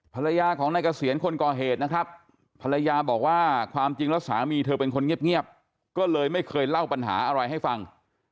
ภรรยาของนายเกษียณคนก่อเหตุนะครับภรรยาบอกว่าความจริงแล้วสามีเธอเป็นคนเงียบก็เลยไม่เคยเล่าปัญหาอะไรให้ฟัง